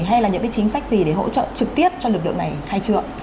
hay là những cái chính sách gì để hỗ trợ trực tiếp cho lực lượng này hay chưa